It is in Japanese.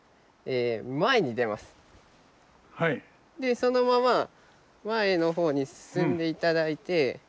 そのまま前の方に進んでいただいて。